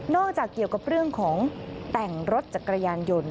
จากเกี่ยวกับเรื่องของแต่งรถจักรยานยนต์